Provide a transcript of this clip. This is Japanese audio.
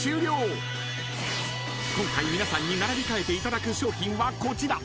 ［今回皆さんに並び替えていただく商品はこちら。